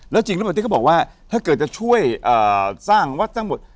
แล้วจริงหรือเปล่าที่เขาบอกว่าถ้าเกิดจะช่วยสร้างวัดทั้งหมด